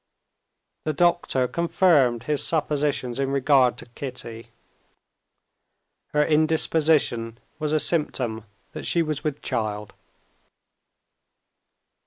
The doctor confirmed his suppositions in regard to Kitty. Her indisposition was a symptom that she was with child.